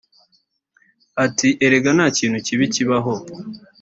Ati″ Erega nta kintu kibi kibaho